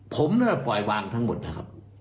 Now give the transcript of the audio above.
ผมได้ปล่อยวางทั้งหมดนะครับ